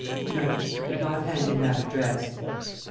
No; he could not hand in that address....